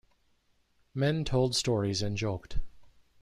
Men told stories and joked.